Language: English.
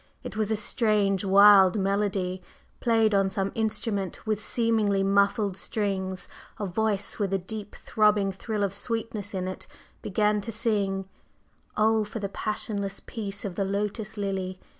It was a strange, wild melody, played on some instrument with seemingly muffled strings. A voice with a deep, throbbing thrill of sweetness in it began to sing: Oh, for the passionless peace of the Lotus Lily!